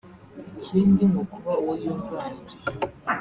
Ikindi ngo kuba uwo yunganira